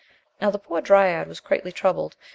Now the poor dryad was greatly troubled.